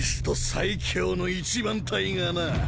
最強の一番隊がなぁ。